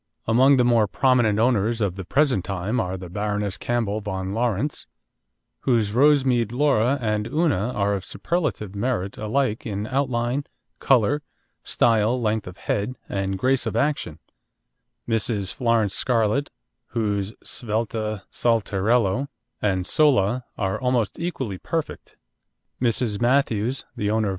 Among the more prominent owners of the present time are the Baroness Campbell von Laurentz, whose Rosemead Laura and Una are of superlative merit alike in outline, colour, style, length of head, and grace of action; Mrs. Florence Scarlett, whose Svelta, Saltarello, and Sola are almost equally perfect; Mrs. Matthews, the owner of Ch.